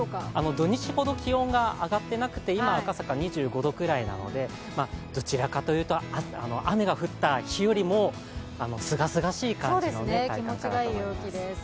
土日ほど気温が上がっていなくて、今、赤坂２５度くらいなのでどちらかというと雨が降った日よりもすがすがしい感じの体感だと思います。